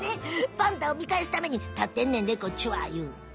パンダを見かえすために立ってんねんでこっちはいう。